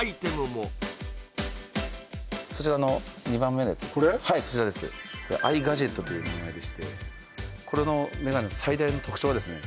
はいそちらですこれアイガジェットという名前でしてこれのメガネ最大の特徴はですね